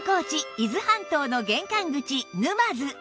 伊豆半島の玄関口沼津